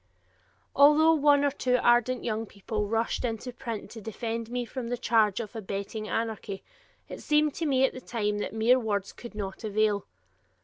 Although one or two ardent young people rushed into print to defend me from the charge of "abetting anarchy," it seemed to me at the time that mere words would not avail.